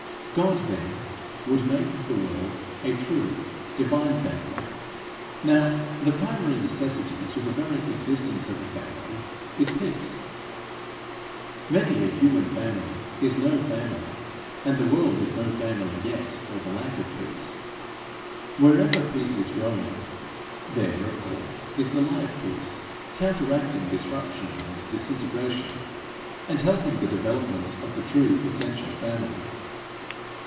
God, then, would make of the world a true, divine family. Now the primary necessity to the very existence of a family is peace. Many a human family is no family, and the world is no family yet, for the lack of peace. Wherever peace is growing, there of course is the live peace, counteracting disruption and disintegration, and helping the development of the true essential family.